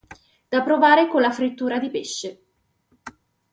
Da provare con la frittura di pesce.